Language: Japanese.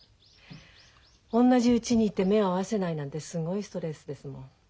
同じうちにいて目を合わせないなんてすごいストレスですもん。